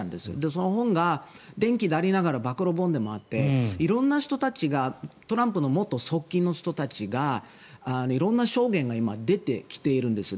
その本が伝記でありながら暴露本でもあって色んな人たちがトランプの元側近の人たちの色んな証言が今出てきているんです。